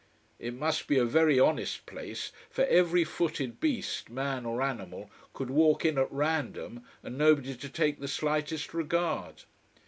It must be a very honest place, for every footed beast, man or animal, could walk in at random and nobody to take the slightest regard.